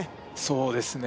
そうですね